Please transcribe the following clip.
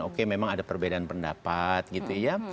oke memang ada perbedaan pendapat gitu ya